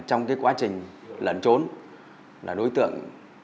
trong quá trình lẩn trốn đối tượng